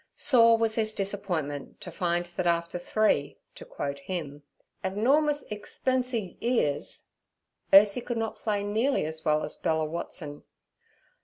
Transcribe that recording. Sore was his disappointment to find that after three—to quote him—'abnormous egspensie 'ears' Ursie could not play nearly as well as Bella Watson.